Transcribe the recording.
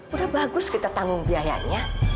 udah bagus kita tanggung biayanya